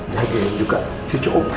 jaga juga cucu opah ya